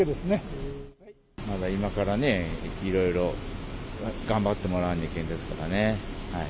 まだ今からね、いろいろ頑張ってもらわにゃいけんですからね。